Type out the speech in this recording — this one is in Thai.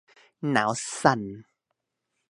หนาวสั่น